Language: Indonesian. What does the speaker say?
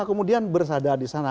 kemudian bersadar di sana